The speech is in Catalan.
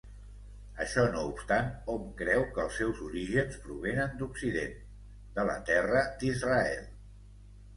Això no obstant, hom creu que els seus orígens provenen d'Occident, de la terra d'Israel.